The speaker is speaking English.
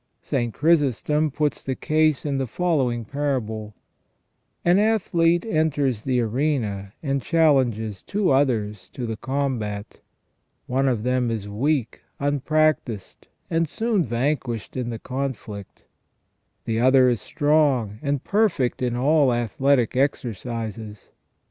St. Chrysostom puts the case in the following parable :" An athlete enters the arena and chal lenges two others to the combat. One of them is weak, unprac tised, and soon vanquished in the conflict : the other is strong, and perfect in all athletic exercises.